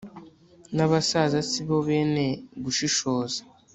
n'abasaza si bo bene gushishoza